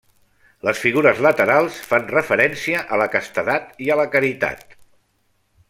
Les figures laterals fan referència a la castedat i la caritat.